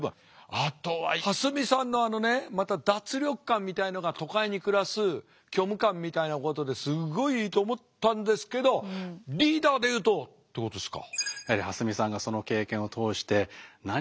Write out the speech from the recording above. あとは蓮見さんのあのねまた脱力感みたいのが都会に暮らす虚無感みたいなことですごいいいと思ったんですけどリーダーでいうとってことですか。